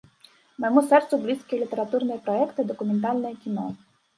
Майму сэрцу блізкія літаратурныя праекты, дакументальнае кіно.